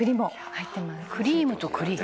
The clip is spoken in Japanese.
「クリームと栗」